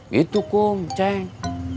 gitu kum ceng